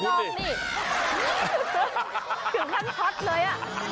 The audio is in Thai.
ถึงขั้นช็อตเลย